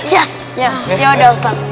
yes yaudah ustaz